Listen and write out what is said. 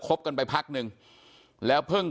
บกันไปพักนึงแล้วเพิ่ง